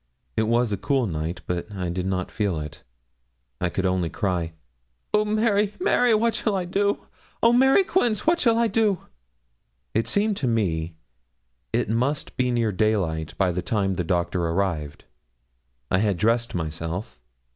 It was a cool night; but I did not feel it. I could only cry: 'Oh, Mary, Mary! what shall I do? Oh, Mary Quince! what shall I do?' It seemed to me it must be near daylight by the time the Doctor arrived. I had dressed myself.